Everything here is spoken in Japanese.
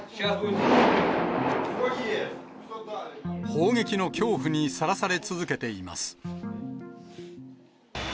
砲撃の恐怖にさらされ続けています。